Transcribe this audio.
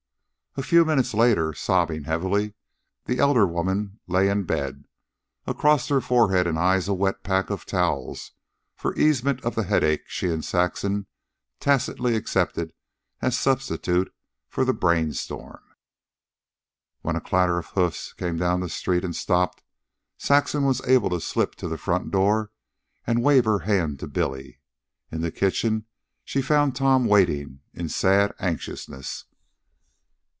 A few minutes later, sobbing heavily, the elder woman lay in bed, across her forehead and eyes a wet pack of towel for easement of the headache she and Saxon tacitly accepted as substitute for the brain storm. When a clatter of hoofs came down the street and stopped, Saxon was able to slip to the front door and wave her hand to Billy. In the kitchen she found Tom waiting in sad anxiousness.